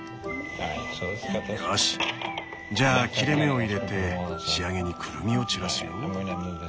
よしじゃあ切れ目を入れて仕上げにくるみを散らすよ。